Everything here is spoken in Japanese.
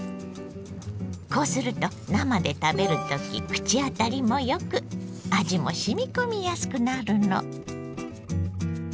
こうすると生で食べる時口当たりもよく味もしみこみやすくなるの。